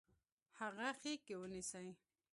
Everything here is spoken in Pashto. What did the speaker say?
هغه غیږ کې ونیسئ.